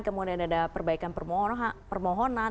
kemudian ada perbaikan permohonan